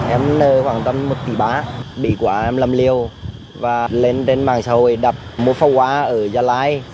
em nợ khoảng tầm một tỷ bá bị quả em làm liều và lên trên bảng xã hội đập mua pháo hoa ở gia lai